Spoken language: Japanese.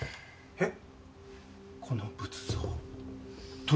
えっ？